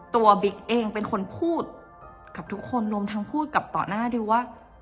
บิ๊กเองเป็นคนพูดกับทุกคนรวมทั้งพูดกับต่อหน้าดิวว่า